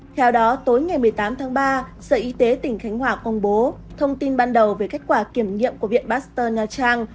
theo đó tối ngày một mươi tám tháng ba sở y tế tỉnh khánh hòa công bố thông tin ban đầu về kết quả kiểm nghiệm của viện pasteur nha trang